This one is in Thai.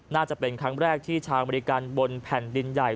น่าจะเป็นครั้งแรกที่ชาวอเมริกันบนแผ่นดินใหญ่